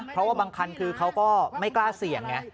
เพราะว่าบางคันคือเขาก็ไม่กล้าเสี่ยงไง